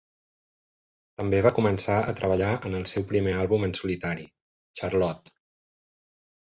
També va començar a treballar en el seu primer àlbum en solitari, "Charlotte".